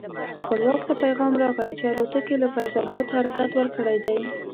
خپلواک ته پیغام راغی چې الوتکې له فیض اباد حرکت ورکړی دی.